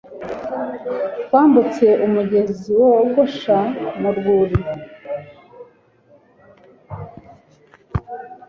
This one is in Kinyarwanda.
Twambutse umugozi wogosha mu rwuri